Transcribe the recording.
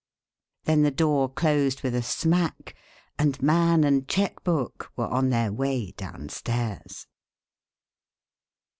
Then the door closed with a smack, and man and cheque book were on their way downstairs.